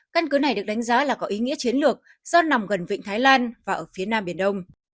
căn cứ này được đánh giá là có ý nghĩa chiến lược do nằm gần vịnh thái lan và ở phía nam biển đông